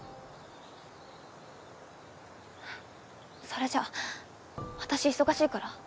それじゃあ私忙しいから。